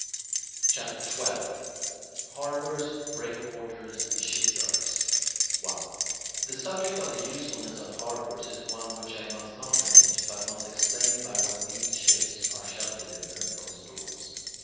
CHAPTER XII HARBOURS, BREAKWATERS, AND SHIPYARDS 1. The subject of the usefulness of harbours is one which I must not omit, but must explain by what means ships are sheltered in them from storms.